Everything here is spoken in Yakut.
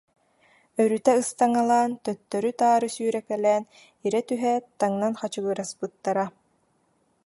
Өрүтэ ыстаҥалаан, төттөрү-таары сүүрэ- кэлээн ирэ түһээт таҥнан хачыгыраспыттара